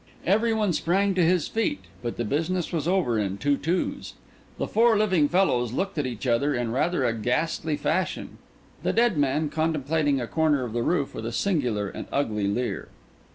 Everyone sprang to his feet; but the business was over in two twos. The four living fellows looked at each other in rather a ghastly fashion; the dead man contemplating a corner of the roof with a singular and ugly leer.